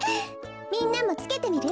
みんなもつけてみる？